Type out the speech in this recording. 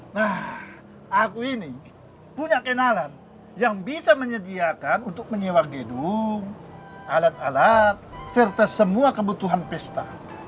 nah aku ini punya kenalan yang bisa menyediakan untuk menyewa gedung alat alat serta semua kebutuhan pesta